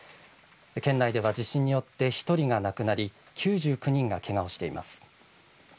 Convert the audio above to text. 県内では地震によって、１人が亡くなり、９９人がけがをしています。